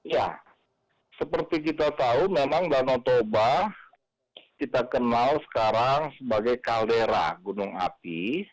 ya seperti kita tahu memang danau toba kita kenal sekarang sebagai kaldera gunung api